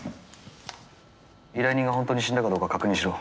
依頼人が本当に死んだかどうかを確認しろ。